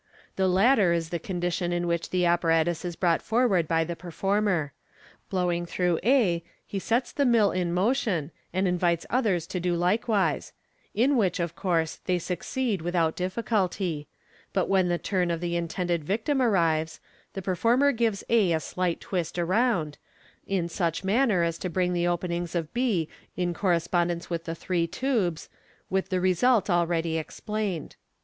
The latter is the condition in which the apparatus is brought forward by the performer. Blowing through a, he sets the mill in motion, and invites others to do likewise, in which, of course, they succeed with out difficulty; but when the turn of the intended victim arrives, the performer gives A a slight twist round, in such manner as to bring the openings of B in correspondence with the three tubes, with the result already explained.